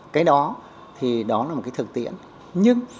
cái đó thì đó là một cái thực tiễn